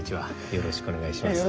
よろしくお願いします。